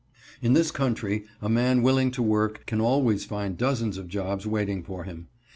In this country a man willing to work can always find dozens of jobs waiting for him.